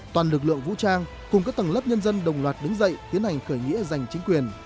toàn lực lượng vũ trang cùng các tầng lớp nhân dân đồng loạt đứng dậy tiến hành khởi nghĩa giành chính quyền